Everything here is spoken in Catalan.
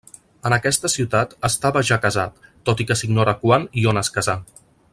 En aquesta ciutat estava ja casat, tot i que s'ignora quan i on es casà.